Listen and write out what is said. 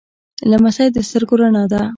لمسی د سترګو رڼا ده.